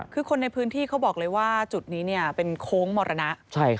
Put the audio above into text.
คือคนในพื้นที่เขาบอกเลยว่าจุดนี้เป็นโค้งมรณะ